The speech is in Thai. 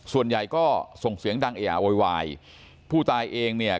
ส่วนใหญ่ก็ส่งเสียงดังเออโวยวายผู้ตายเองเนี่ย